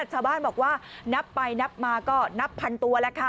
ชาวบ้านบอกว่านับไปนับมาก็นับพันตัวแล้วค่ะ